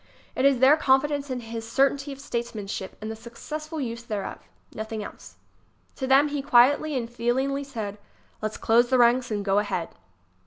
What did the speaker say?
It is their confidence in his certainty of statesmanship and the successful use thereof. Nothing else. To them he quietly and feelingly said: "Let's close the ranks and go ahead."